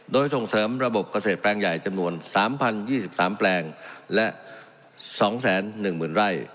โดยส่งเสริมระบบเกษตรแปลงใหญ่จำนวน๓๐๒๓แปลงและ๒๑๐๐๐ไร่